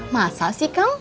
masa sih kang